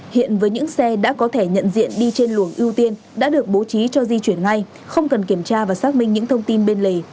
hiện với những xe đã có thể nhận diện đi trên luồng ưu tiên đã được bố trí cho di chuyển ngay không cần kiểm tra và xác minh những thông tin bên lề